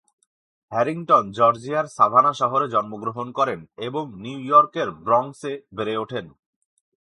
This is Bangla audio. হ্যারিংটন জর্জিয়ার সাভানা শহরে জন্মগ্রহণ করেন এবং নিউ ইয়র্কের ব্রনক্সে বেড়ে ওঠেন।